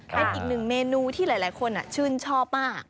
เป็นอีกหนึ่งเมนูที่หลายคนชื่นชอบมาก